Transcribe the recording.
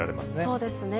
そうですね。